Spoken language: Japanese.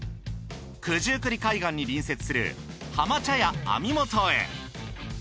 九十九里海岸に隣接する浜茶屋網元へ。